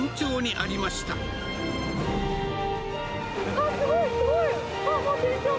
あー、すごい、すごい。